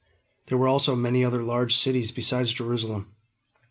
There were also many other large cities besides Jerusalem.